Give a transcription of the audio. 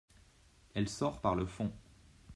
Elle sort par le fond.